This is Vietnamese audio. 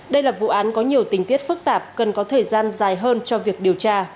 đây là vụ án có nhiều tình tiết phức tạp cần có thời gian dài hơn cho việc điều tra